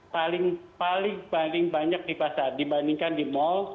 paling paling banyak di pasar dibandingkan di mal